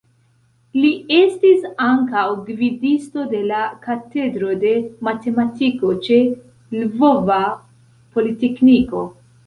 Li estis ankaŭ gvidisto de la Katedro de Matematiko ĉe Lvova Politekniko.